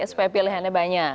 supaya pilihannya banyak